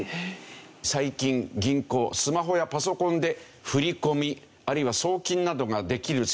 最近銀行スマホやパソコンで振り込みあるいは送金などができるでしょ。